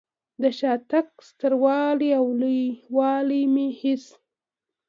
د شاتګ ستر والی او لوی والی مې هېڅ.